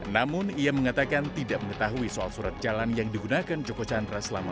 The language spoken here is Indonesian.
namun ia mengatakan tidak mengetahui soal surat jalan yang digunakan joko chandra selama